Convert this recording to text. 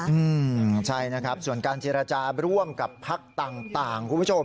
อืมใช่นะครับส่วนการเจรจาระหว่างพักต่างคุณผู้ชม